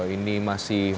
ini masih menantikan